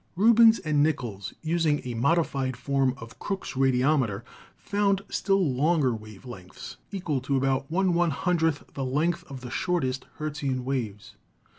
Rubens and Nichols, using a modified form of Crookes' radiometer, found still longer wave lengths, equal to about 1 100 the length of the shortest Hertzian waves.